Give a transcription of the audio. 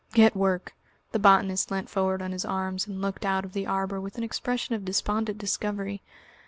"Get work!" The botanist leant forward on his arms and looked out of the arbour with an expression of despondent discovery.